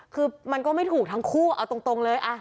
คือมันก็ไม่ถูกทั้งคู่เอาตรงเลย